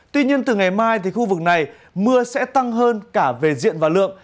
tuy nhiên từ ngày mai khu vực này mưa sẽ tăng hơn cả về diện và lượng